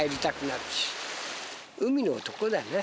海の男だな。